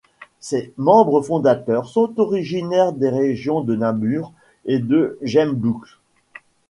Ses membres fondateurs sont originaires des régions de Namur et de Gembloux.